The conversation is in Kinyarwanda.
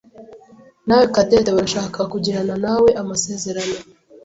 nawe Cadette barashaka kugiranawe amasezerano.